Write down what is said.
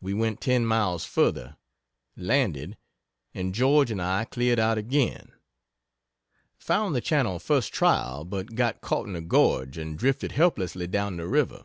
We went ten miles further, landed, and George and I cleared out again found the channel first trial, but got caught in the gorge and drifted helplessly down the river.